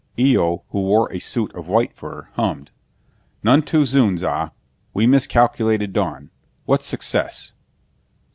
Eo, who wore a suit of white fur, hummed, "None too soon, Za. We miscalculated dawn. What success?"